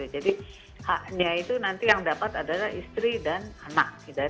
jadi haknya itu nanti yang dapat adalah istri dan anak